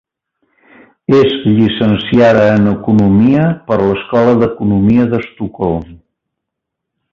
És llicenciada en economia per l'Escola d'Economia d'Estocolm.